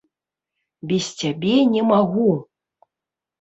Без цябе не магу!